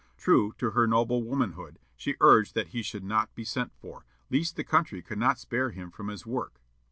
True to her noble womanhood, she urged that he should not be sent for, lest the country could not spare him from his work.